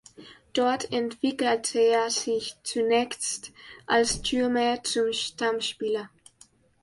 Dort entwickelte er sich zunächst als Stürmer zum Stammspieler.